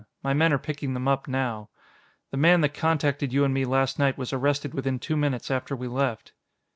My men are picking them up now. The man that contacted you and me last night was arrested within two minutes after we left."